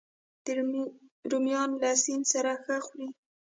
رومیان له سیند سره ښه خوري